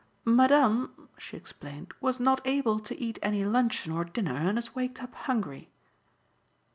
"Madame," she explained, "was not able to eat any luncheon or dinner and has waked up hungry."